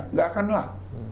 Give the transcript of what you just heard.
nggak akan lah